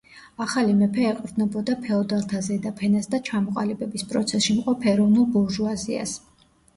ახალი მეფე ეყრდნობოდა ფეოდალთა ზედა ფენას და ჩამოყალიბების პროცესში მყოფ ეროვნულ ბურჟუაზიას.